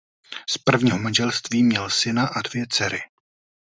Z prvního manželství měl syna a dvě dcery.